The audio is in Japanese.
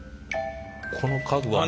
この家具は。